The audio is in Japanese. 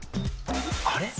あれ？